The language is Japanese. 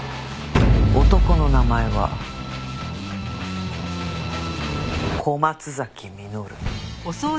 男の名前は小松崎実。